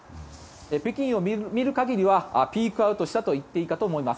北京を見る限りはピークアウトしたと言っていいかと思います。